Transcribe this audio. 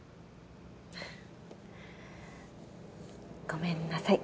ごめんなさい。